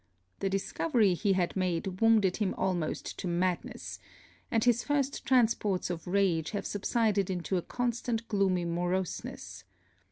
The discovery he had made wounded him almost to madness; and his first transports of rage have subsided into a constant gloomy moroseness.